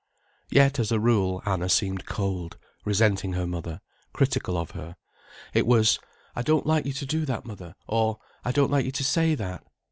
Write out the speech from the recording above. Yet as a rule, Anna seemed cold, resenting her mother, critical of her. It was: "I don't like you to do that, mother," or, "I don't like you to say that."